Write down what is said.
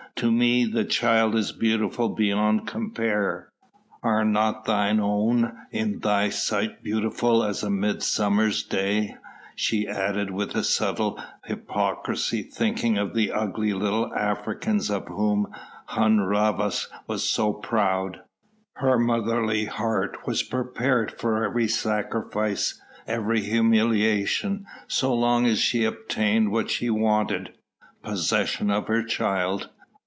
To me the child is beautiful beyond compare. Are not thine own in thy sight beautiful as a midsummer's day?" she added with subtle hypocrisy, thinking of the ugly little Africans of whom Hun Rhavas was so proud. Her motherly heart was prepared for every sacrifice, every humiliation, so long as she obtained what she wanted possession of her child.